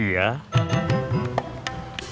pengolahnya mau dibawa